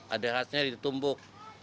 ada khasnya ditumbuk